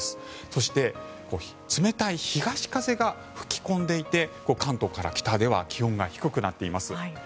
そして、冷たい東風が吹き込んでいて関東から北では気温が低くなっています。